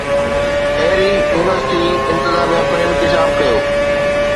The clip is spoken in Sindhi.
ايري يونيورسٽي انتظاميا پڻ انڪشاف ڪيو